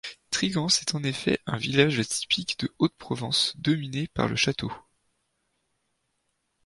Trigance est en effet un village typique de Haute Provence dominé par le château.